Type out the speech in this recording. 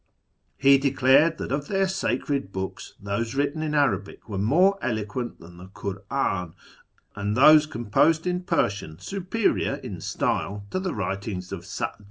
He declared that of their sacred books those written in Arabic were more eloquent than the Kur'an, and those composed in Persian superior in style to the writings of Sa'di.